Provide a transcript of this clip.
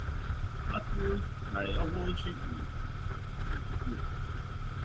Plato's dialogues are even older.